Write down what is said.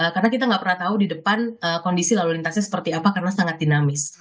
karena kita nggak pernah tahu di depan kondisi lalu lintasnya seperti apa karena sangat dinamis